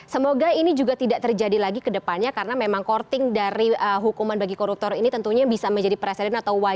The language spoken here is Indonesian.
semoga ini juga tidak terjadi lagi ke depannya karena memang korting dari hukuman bagi koruptor ini tentunya bisa menjadi presiden atau wajah bagi pedagang